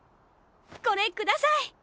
これください！